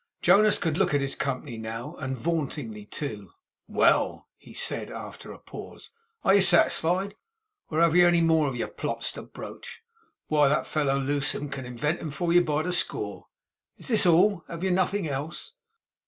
Jonas could look at his company now, and vauntingly too. 'Well!' he said, after a pause. 'Are you satisfied? or have you any more of your plots to broach? Why that fellow, Lewsome, can invent 'em for you by the score. Is this all? Have you nothing else?